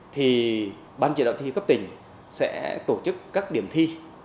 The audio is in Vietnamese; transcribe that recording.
thì ban chỉ đạo thi cấp tỉnh sẽ tổ chức các điểm thi